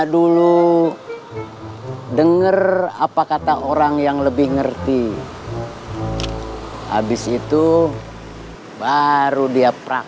dulu denger apa kata orang yang lebih ngerti habis itu baru dia praktek